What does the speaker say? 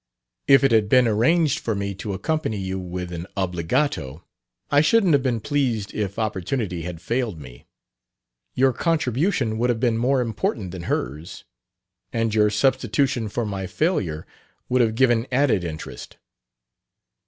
If it had been arranged for me to accompany you with an obbligato, I shouldn't have been pleased if opportunity had failed me." "Your contribution would have been more important than hers. And your substitution for my failure would have given added interest."